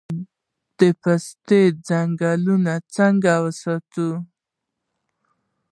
د پستې ځنګلونه څنګه وساتو؟